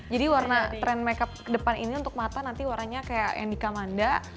jadi warna trend makeup ke depan ini untuk mata nanti warnanya kayak yang dikamanda